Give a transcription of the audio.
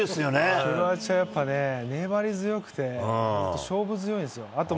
クロアチア、やっぱね、粘り強くて本当、勝負強いんですよ。